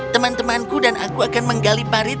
teman temanku dan aku akan menggali parit